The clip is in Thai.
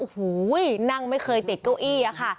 หูยนั่งไม่เคยติดเก้าอี้ค่ะ